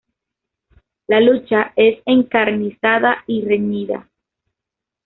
La lucha es encarnizada y reñida.